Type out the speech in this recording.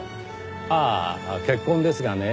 ああ血痕ですがね